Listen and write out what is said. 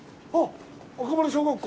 赤羽小学校。